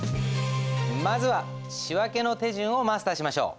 まずは仕訳の手順をマスターしましょう。